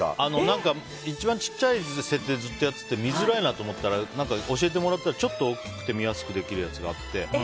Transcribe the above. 一番小さいやつで設定ずっとやってて見づらいなと思ったら教えてもらってちょっと大きくて見やすくできるやつがあって。